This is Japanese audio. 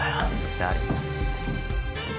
誰？